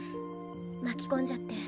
巻き込んじゃって。